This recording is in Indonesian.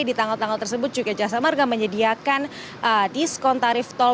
di tanggal tanggal tersebut juga jasa marga menyediakan diskon tarif tol